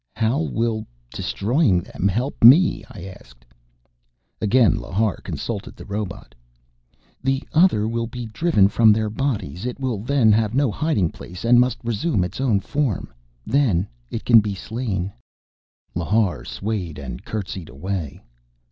"How will destroying them help me?" I asked. Again Lhar consulted the robot. "The Other will be driven from their bodies. It will then have no hiding place and must resume its own form. Then it can be slain." Lhar swayed and curtseyed away.